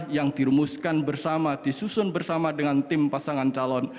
yang dirumuskan bersama disusun bersama dengan tim pasangan calon